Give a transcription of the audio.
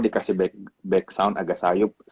dikasih back sound agak sayup